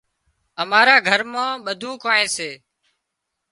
امارا گھر مان ٻڌونئي ڪانئن سي